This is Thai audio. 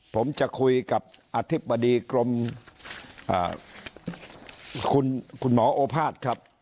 ผมจะคุยกับอธิบดีกรมคุณหมอโอภาษย์ครับ